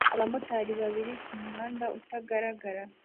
Abamotari babiri kumuhanda utagaragara